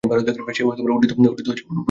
সে উড্ডিত হতে প্রস্তুত, বস।